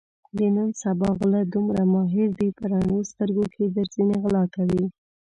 د نن سبا غله دومره ماهر دي په رڼو سترګو کې درځنې غلا کوي.